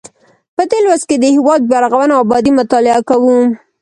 په دې لوست کې د هیواد بیا رغونه او ابادي مطالعه کوو.